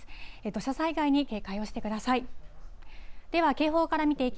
土砂災害に警戒をしてください。